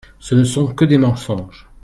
Ce ne sont que des mensonges !